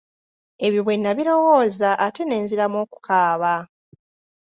Ebyo bwe nabirowooza ate ne nziramu okukaaba.